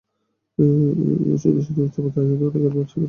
এ ওষুধটি উচ্চমাত্রায় দিলে অনেকের মানসিক অসুস্থতাও দেখা দিতে পারে।